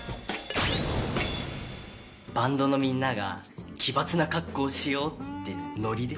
バンドのみんなが奇抜な格好しよう！ってノリで。